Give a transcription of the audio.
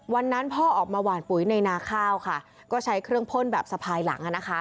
วันนั้นพ่อออกมาหวานปุ๋ยในนาข้าวค่ะก็ใช้เครื่องพ่นแบบสะพายหลัง